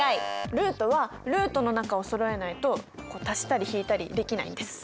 ルートはルートの中をそろえないと足したり引いたりできないんです。